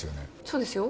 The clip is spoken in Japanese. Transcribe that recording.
そうですよ。